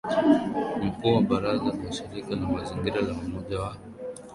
mkuu wa baraza la shirika la mazingira la Umoja wa